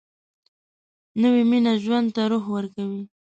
نوې مینه ژوند ته روح ورکوي